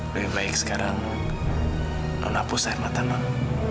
lebih baik sekarang non hapus air mata non